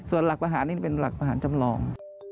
ส่วนหลักประหารนี่เป็นหลักประหารจำลอง